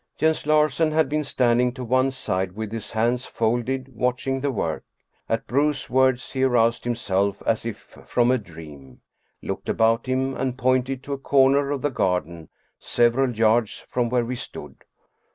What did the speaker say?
Jens Larsen had been standing to one side with his hands folded, watching the work. At Bruus's words he aroused himself as if from a dream, looked about him and pointed to a corner of the garden several yards from where we stood.